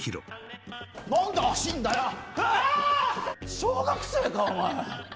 小学生かお前！